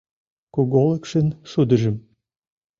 Куголыкшын шудыжым